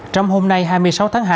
trong hôm nay hai mươi sáu tháng hai